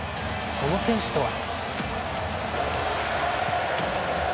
その選手とは。